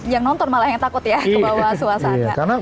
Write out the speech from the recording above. yang nonton malah yang takut ya kebawa suasana